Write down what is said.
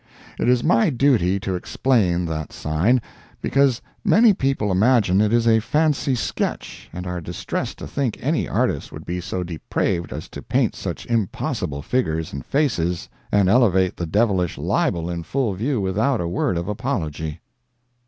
It is my duty to explain that sign, because many people imagine it is a fancy sketch, and are distressed to think any artist would be so depraved as to paint such impossible figures and faces and elevate the devilish libel in full view without a word of apology.